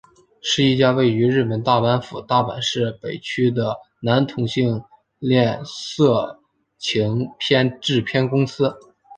是一家位于日本大阪府大阪市北区的男同性恋色情片制片公司。